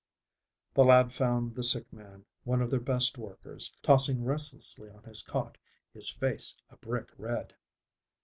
The lad found the sick man, one of their best workers, tossing restlessly on his cot, his face a brick red.